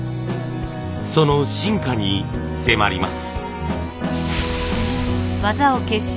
その進化に迫ります。